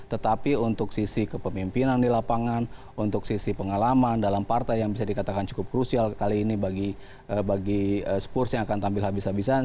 tetapi untuk sisi kepemimpinan di lapangan untuk sisi pengalaman dalam partai yang bisa dikatakan cukup krusial kali ini bagi spurs yang akan tampil habis habisan